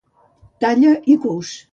Talla i cus.